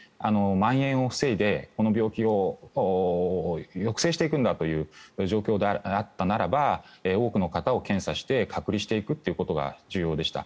まん延を防いでこの病気を抑制していくんだという状況であったならば多くの方を検査して隔離していくということが重要でした。